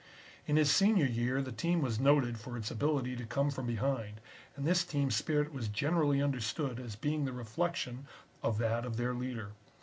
In his senior year the team was noted for its ability to come from behind, and this team spirit was generally understood as being the reflection of that of their leader.